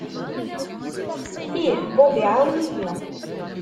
Ih, Bob iɛawen-iyi.